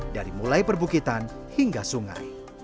dari mulai perbukitan hingga sungai